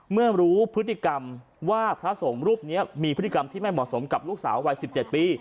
เมื่อรู้พฤติกรรมว่าพระสงฆ์รูปนี้มีพฤติกรรมที่ไม่เหมาะสมกับลูกสาววัย๑๗ปี